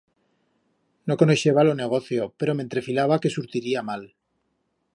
No conoixeba lo negocio, pero m'entrefilaba que surtiría mal.